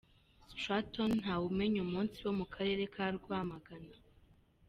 Straton Ntawumenyumunsi wo mu Karere ka Rwamagana